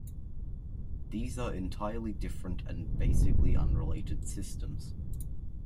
These are entirely different and basically unrelated systems.